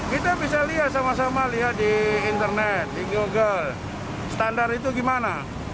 kita bisa lihat sama sama lihat di internet di google standar itu gimana